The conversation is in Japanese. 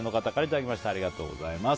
ありがとうございます。